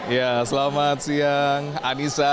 ya selamat siang anissa